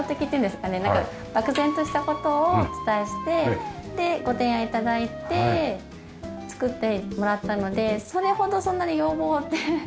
漠然とした事をお伝えしてでご提案頂いて作ってもらったのでそれほどそんなに要望ってなくて。